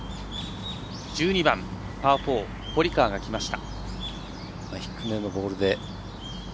１２番、パー４堀川が来ました。